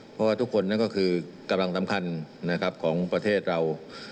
เพราะว่าทุกคนนั่นก็คือกำลังสำคัญนะครับของประเทศเรา